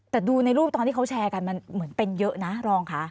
แต่ดูในรูปตอนที่เขาแชร์กันมันเหมือนเป็นเยอะนะรองค่ะ